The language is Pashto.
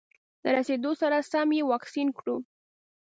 له رسېدو سره سم یې واکسین کړو.